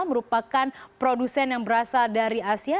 merupakan produsen yang berasal dari asia